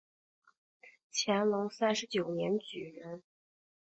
乾隆三十九年举人。